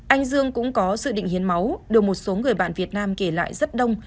anh dương cũng có dự định hiến máu được một số người bạn việt nam kể lại rất đông